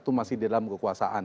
itu masih dalam kekuasaan